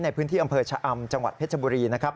ในพื้นที่อำเภอชะอำจังหวัดเพชรบุรีนะครับ